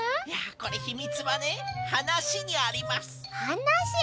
いやこれひみつはねはなしにあります。